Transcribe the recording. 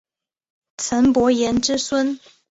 岑伯颜之孙。